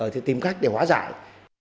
tìm cách để hóa giải